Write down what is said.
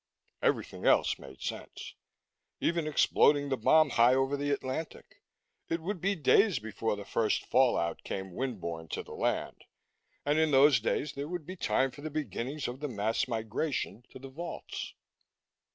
Everything else made sense. Even exploding the bomb high over the Atlantic: It would be days before the first fall out came wind borne to the land, and in those days there would be time for the beginnings of the mass migration to the vaults.